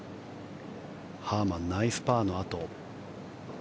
ハーマン、ナイスパーのあと。